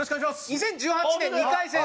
２０１８年２回戦！